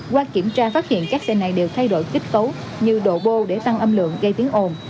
qua kiểm tra phát hiện các xe này đều thay đổi kết cấu như độ bô để tăng âm lượng gây tiếng ồn